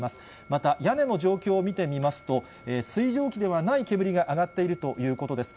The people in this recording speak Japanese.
また屋根の状況を見てみますと、水蒸気ではない煙が上がっているということです。